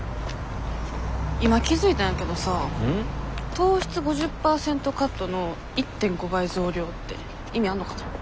糖質５０％カットの１．５倍増量って意味あんのかな？